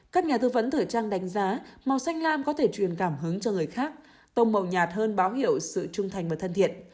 các nhà tư vấn thời trang đánh giá màu xanh lam có thể truyền cảm hứng cho người khác tôm mầu nhạt hơn báo hiệu sự trung thành và thân thiện